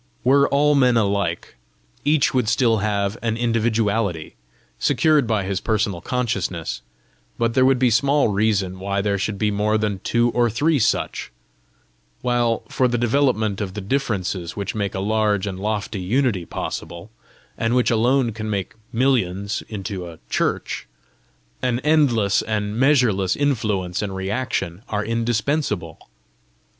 Were all men alike, each would still have an individuality, secured by his personal consciousness, but there would be small reason why there should be more than two or three such; while, for the development of the differences which make a large and lofty unity possible, and which alone can make millions into a church, an endless and measureless influence and reaction are indispensable.